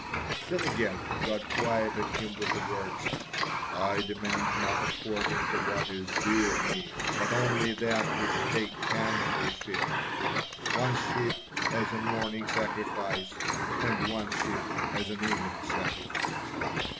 '" Then again God quieted him with the words, "I demand not according to what is due Me, but only that which they can fulfil, one sheep as a morning sacrifice, and one sheep as an evening sacrifice."